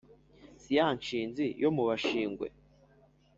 si ya nshinzi yo mu bashingwe